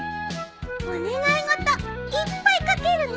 お願い事いっぱい書けるね。